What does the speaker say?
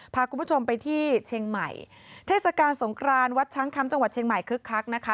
พาคุณผู้ชมไปที่เชียงใหม่เทศกาลสงครานวัดช้างคำจังหวัดเชียงใหม่คึกคักนะคะ